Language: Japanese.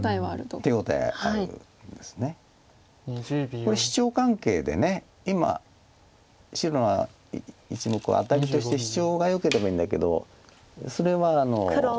これシチョウ関係で今白が１目をアタリとしてシチョウがよければいいんだけどそれは左上に白石がありますから。